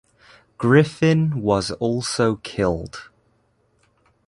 Griffin was also killed.